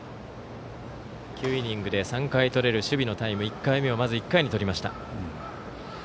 ９イニングで３回取れる守備のタイムの１回目をまず１回にとりました。